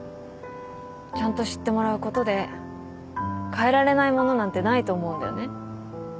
ちゃんと知ってもらうことで変えられないものなんてないと思うんだよね。